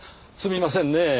すみませんね。